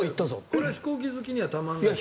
これは飛行機好きにはたまらないね。